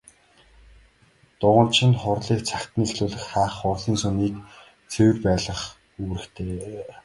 Дуганч нь хурлыг цагт нь эхлүүлэх, хаах, хурлын сүмийг цэвэр байлгах үүрэгтэй.